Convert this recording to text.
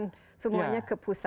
dan ada keinginan untuk menggabungkan